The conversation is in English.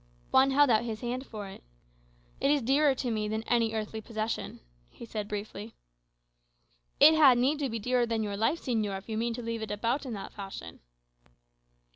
Juan held out his hand for it. "It is dearer to me than any earthly possession," he said briefly. "It had need to be dearer than your life, señor, if you mean to leave it about in that fashion."